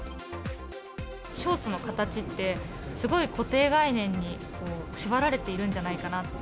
ショーツの形って、すごい固定概念に縛られているんじゃないかなって。